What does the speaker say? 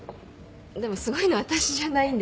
でもすごいの私じゃないんで。